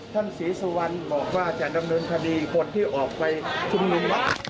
ท่านศรีสุวรรณบอกว่าจะดำเนินคดีคนที่ออกไปชุมนุม